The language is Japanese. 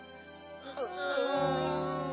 うん。